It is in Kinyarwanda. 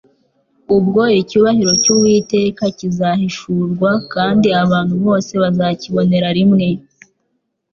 ubwo ''icyubahiro cy'Uwiteka kizahishurwa kandi abantu bose bazakibonera rimwe